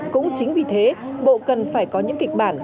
cũng chính vì thế bộ cần phải có những kịch bản